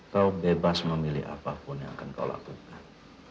kau bebas memilih apapun yang akan kau lakukan